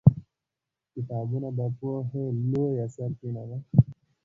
کتابونه د پوهې لویه سرچینه ده